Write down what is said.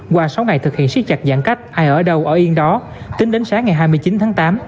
qua sáu ngày thực hiện siết chặt giãn cách ai ở đâu ở yên đó tính đến sáng ngày hai mươi chín tháng tám